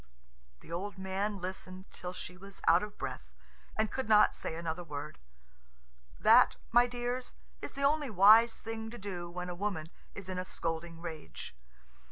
The old man listened till she was out of breath and could not say another word. That, my dears, is the only wise thing to do when a woman is in a scolding rage.